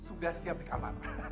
sudah siap di kamar